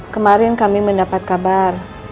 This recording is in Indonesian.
kemarin kami mendapat kabar